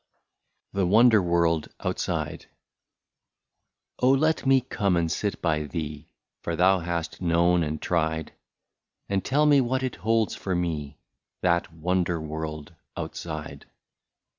i8i THE WONDER WORLD OUTSIDE. " Oh ! let me come and sit by thee, For thou hast known and tried, And tell me what it holds for me — That wonder world outside.